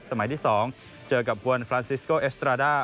สมัยที่สองเจอกับบวลฟรานซิสโกเอสตราด้า